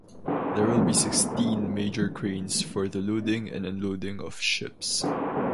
There will be sixteen major cranes for the loading and unloading of ships.